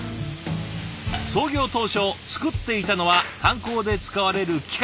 創業当初作っていたのは炭鉱で使われる機械。